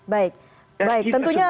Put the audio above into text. baik baik tentunya